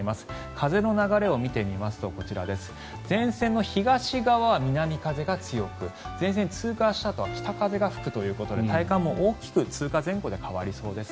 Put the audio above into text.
風の流れを見てみますと前線の東側は南風が強く前線を通過したあと北風が吹くということで体感も大きく通過前後で変わりそうです。